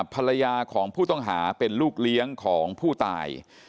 ภรรยาของผู้ต้องหาเป็นลูกเลี้ยงของผู้ตาย